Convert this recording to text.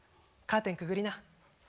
カーテンくぐりな。